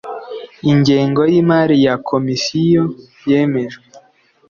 ingengo y’imari ya komisiyo yemejwe